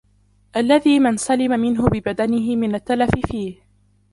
الَّذِي مَنْ سَلِمَ مِنْهُ بِبَدَنِهِ مِنْ التَّلَفِ فِيهِ